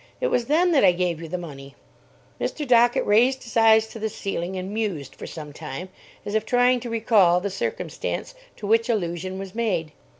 It was then that I gave you the money." Mr. Dockett raised his eyes to the ceiling, and mused for some time, as if trying to recall the circumstance to which allusion was made.